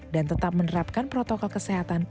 dan tetap menerapkan protokol kesehatan